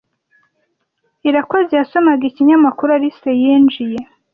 Irakoze yasomaga ikinyamakuru Alice yinjiye.